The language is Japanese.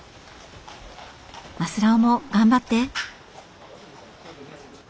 マスラオも頑張って。